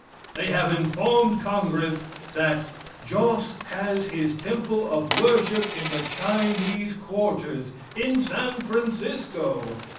They have informed Congress that "Joss has his temple of worship in the Chinese quarters, in San Francisco.